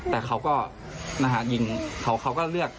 แต่เขาก็ยิงเขาก็เลือก